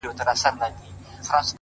نو زنده گي څه كوي-